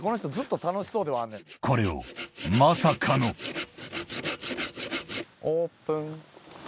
これをまさかのオープン。